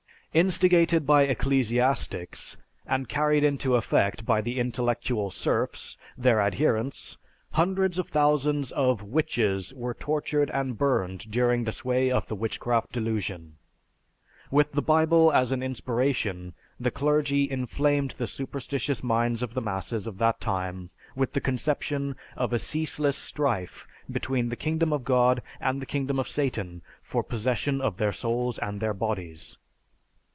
Instigated by ecclesiastics, and carried into effect by the intellectual serfs, their adherents, hundreds of thousands of "witches" were tortured and burned during the sway of the Witchcraft Delusion. With the Bible as an inspiration, the clergy inflamed the superstitious minds of the masses of that time with the conception of a ceaseless strife between the Kingdom of God and the Kingdom of Satan for possession of their souls and their bodies.